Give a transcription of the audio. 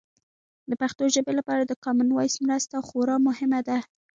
د پښتو ژبې لپاره د کامن وایس مرسته خورا مهمه ده.